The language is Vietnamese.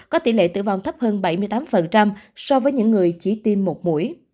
có tỷ lệ tử vong thấp hơn bảy mươi tám so với những người chỉ tiêm một mũi